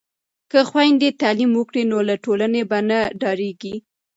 که خویندې تعلیم وکړي نو له ټولنې به نه ډاریږي.